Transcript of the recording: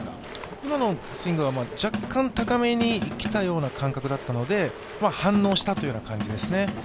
今のスイングは若干高めに来たような感覚だったので反応したという感じですね。